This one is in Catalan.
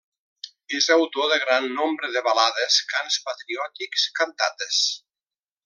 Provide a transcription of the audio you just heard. És autor de gran nombre de balades, cants patriòtics, cantates.